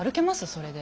それで。